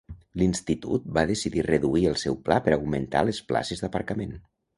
L'institut va decidir reduir el seu pla per augmentar les places d'aparcament.